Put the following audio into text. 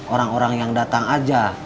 orang orang yang datang aja